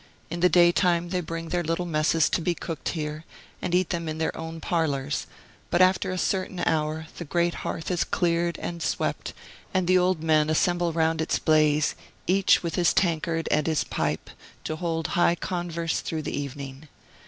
In the daytime, they bring their little messes to be cooked here, and eat them in their own parlors; but after a certain hour, the great hearth is cleared and swept, and the old men assemble round its blaze, each with his tankard and his pipe, and hold high converse through the evening.